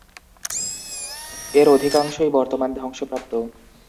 এর অধিকাংশই বর্তমানে ধ্বংসপ্রাপ্ত।